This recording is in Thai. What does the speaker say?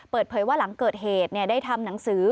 เปิดเผยว่าหลังเกิดเหตุได้ทำหนังสือ